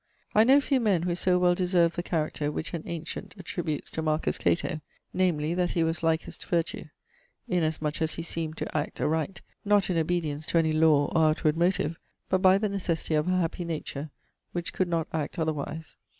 I know few men who so well deserve the character which an antient attributes to Marcus Cato, namely, that he was likest virtue, in as much as he seemed to act aright, not in obedience to any law or outward motive, but by the necessity of a happy nature, which could not act otherwise.